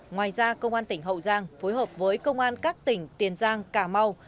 ngoài ra công an tỉnh hậu giang phối hợp với công an các tỉnh tiền giang cà mau